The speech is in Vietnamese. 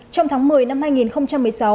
trong tháng một mươi năm hai nghìn một mươi sáu